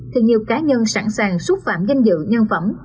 thì nhiều cá nhân sẵn sàng xúc phạm danh dự nhân phẩm